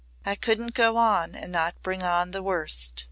"It couldn't go on and not bring on the worst.